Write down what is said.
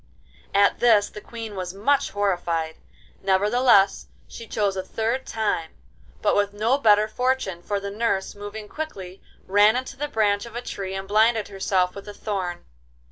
At this the Queen was much horrified; nevertheless, she chose a third time, but with no better fortune, for the nurse, moving quickly, ran into the branch of a tree and blinded herself with a thorn.